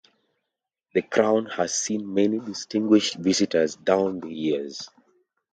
The Crown has seen many distinguished visitors down the years.